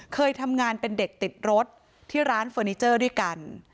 เคยทำงานเป็นเด็กติดรถที่ร้านเฟอร์นิเจอร์ด้วยกัน